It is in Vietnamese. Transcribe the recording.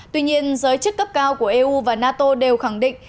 tuy nhiên giới chức cấp cao của eu và nato đều khẳng định